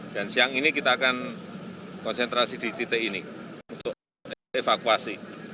dan siang ini kita akan konsentrasi di titik ini untuk evakuasi